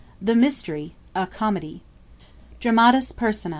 THE MYSTERY, A COMEDY. DRAMATIS PERSONAE.